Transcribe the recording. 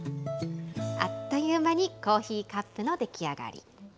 あっという間にコーヒーカップの出来上がり。